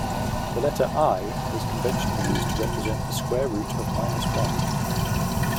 The letter i is conventionally used to represent the square root of minus one.